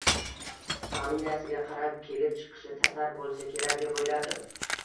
Familiyasiga qarab, kelib chiqishi tatar bo‘lsa kerak deb o‘ylardim.